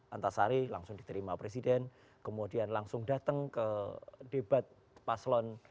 antasari langsung diterima presiden kemudian langsung datang ke debat paslon dua